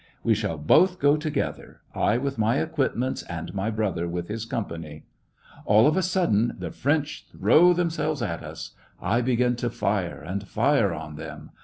We shall both go together, I with my equipments, and my brother with his company. All of a sudden, the French throw themselves on us. I begin to fire, and fire on them.